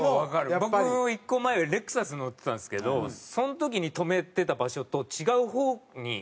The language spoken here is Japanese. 僕１個前はレクサス乗ってたんですけどその時に止めてた場所と違う方に。